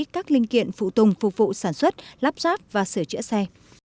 các linh kiện phụ tùng phục vụ sản xuất lắp ráp và sửa chữa xe